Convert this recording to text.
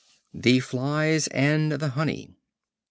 The Flies and the Honey.